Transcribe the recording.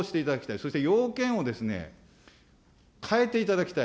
そして要件をですね、変えていただきたい。